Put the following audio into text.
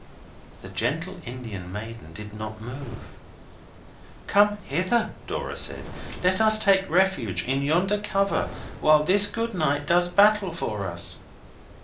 The gentle Indian maiden did not move. 'Come hither,' Dora said, 'let us take refuge in yonder covert while this good knight does battle for us.